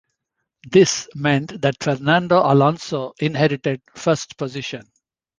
This meant that Fernando Alonso inherited first position.